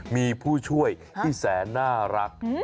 มีผู้ช่วยที่แสนน่ารัก